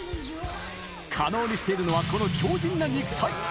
可能にしているのは、この強じんな肉体。